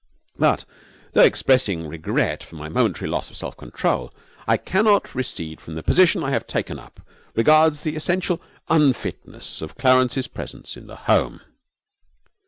'But, though expressing regret for my momentary loss of self control, I cannot recede from the position I have taken up as regards the essential unfitness of Clarence's presence in the home.'